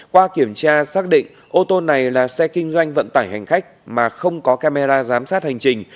qua kiểm tra xác định ô tô này là xe kinh doanh vận tải hành khách mà không có camera giám sát hành trình